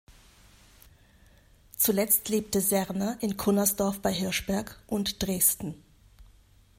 Zuletzt lebte Serner in Cunnersdorf bei Hirschberg und Dresden.